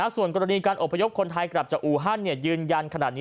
ส่วนกรณีการอบพยพคนไทยกลับจากอูฮันยืนยันขนาดนี้